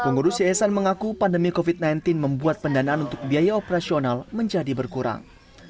pengurus yayasan mengaku pandemi covid sembilan belas membuat pendanaan untuk biaya operasional menjadi berkurang